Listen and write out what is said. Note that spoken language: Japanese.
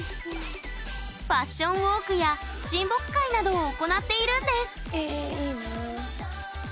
ファッションウォークや親睦会などを行っているんですえいいなあ。